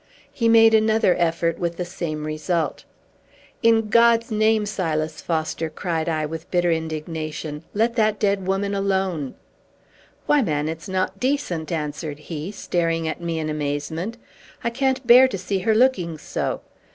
He made another effort, with the same result. "In God's name, Silas Foster," cried I with bitter indignation, "let that dead woman alone!" "Why, man, it's not decent!" answered he, staring at me in amazement. "I can't bear to see her looking so!